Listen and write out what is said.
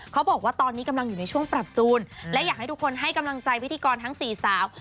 เขาบอกว่าตอนนี้กำลังอยู่ในช่วงปรับจูนและอยากให้ทุกคนให้กำลังใจพิธีกรทั้งสี่สาว